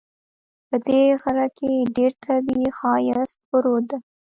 په دې غره کې ډېر طبیعي ښایست پروت ده